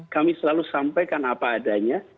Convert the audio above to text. kami selalu sampaikan apa adanya